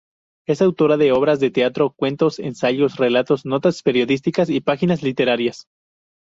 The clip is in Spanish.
Es autora de obras de teatro, cuentos, ensayos, relatos, notas periodísticas y páginas literarias.